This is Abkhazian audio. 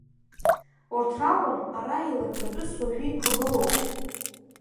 Урҭ ракәым ара еилыргатәыс уажәы иқәгылоу.